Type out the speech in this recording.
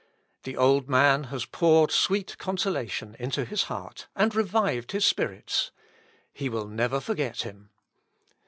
The old man has poured sweet consolation into his heart and revived his spirits; he will never forget him.